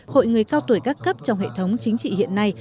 hội người cao tuổi các cấp trong hệ thống chính trị hiện nay